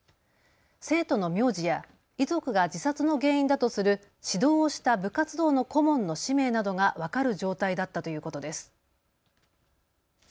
生徒の名字や遺族が自殺の原因だとする指導をした部活動の顧問の氏名などが分かる状態だったということです。